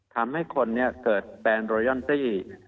ทำให้คนนี้เกิดแปลงรอยออนซี่